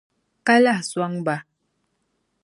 Ka lahi n-sɔŋ ba.